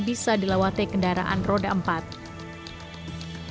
banjir yang terkenal di medan merdeka selatan